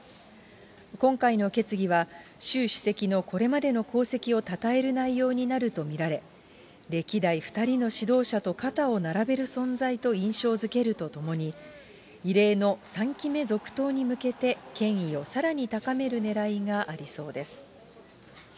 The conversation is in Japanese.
今回の決議は、習主席のこれまでの功績をたたえる内容になると見られ、歴代２人の指導者と肩を並べる存在と印象づけるとともに、異例の３期目続投に向けて、権威をさらに高めるねらいがありそうです。